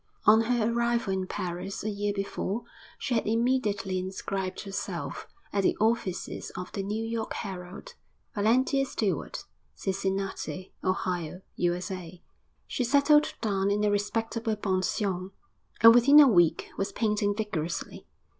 On her arrival in Paris, a year before, she had immediately inscribed herself, at the offices of the New York Herald, Valentia Stewart, Cincinnati, Ohio, U.S.A. She settled down in a respectable pension, and within a week was painting vigorously.